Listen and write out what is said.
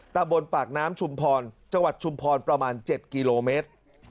ตะบนปากน้ำชุมพรจังหวัดชุมพรประมาณ๗กิโลเมตร